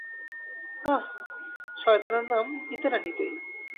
ওহ, শয়তানের নাম নিতে না নিতেই।